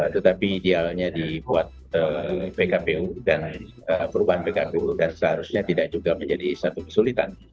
tetapi idealnya dibuat pkpu dan perubahan pkpu dan seharusnya tidak juga menjadi satu kesulitan